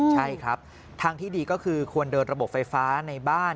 ใช่ครับทางที่ดีก็คือควรเดินระบบไฟฟ้าในบ้าน